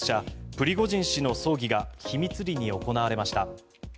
プリゴジン氏の葬儀が秘密裏に行われました。